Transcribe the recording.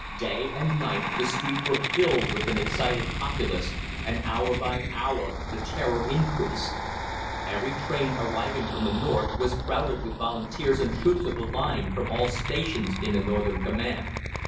Day and night the streets were filled with an excited populace, and hour by hour the terror increased. Every train arriving from the North was crowded with Volunteers and troops of the line from all stations in the Northern Command.